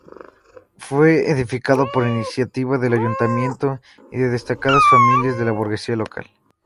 Fue edificado por iniciativa del ayuntamiento y de destacadas familias de la burguesía local.